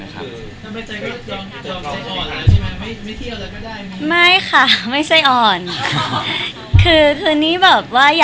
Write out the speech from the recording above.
ทำไมไช่อ่อนไม่เที่ยวแล้วไม่ได้นะ